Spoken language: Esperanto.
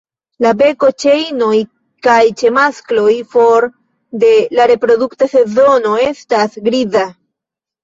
La beko ĉe inoj kaj ĉe maskloj for de la reprodukta sezono estas griza.